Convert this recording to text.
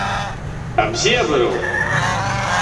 Абзиабароу?